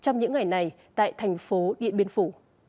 ngày nay tại thành phố địa biên phủ